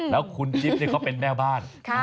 แล้วคุณจิ๊บเขาเป็นแม่บ้าน